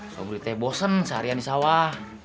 suami teh bosen seharian di sawah